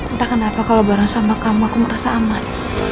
entah kenapa kalau bareng sama kamu aku merasa aman